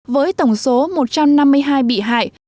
với tổng số một trăm năm mươi hai bị hại